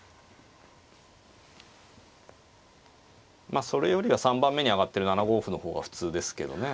まあそれよりは３番目に挙がってる７五歩の方が普通ですけどね。